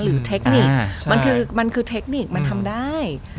หรือเทคนิคมันคือเทคนิคมันทำได้